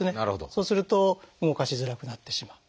そうすると動かしづらくなってしまう。